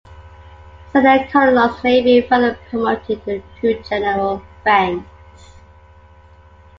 Senior Colonels may be further promoted to general ranks.